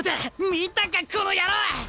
見たかこの野郎！